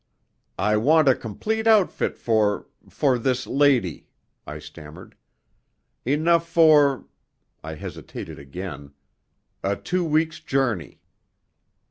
"I want a complete outfit for for this lady," I stammered. "Enough for," I hesitated again "a two weeks' journey."